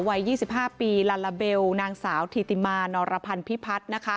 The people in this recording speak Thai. วัย๒๕ปีลาลาเบลนางสาวธิติมานอรพันธ์พิพัฒน์